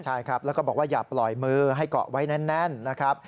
ใช่ครับแล้วก็บอกว่าอย่าปล่อยมือให้เกาะไว้แน่นนะครับ